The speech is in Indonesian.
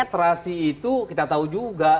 astrasi itu kita tahu juga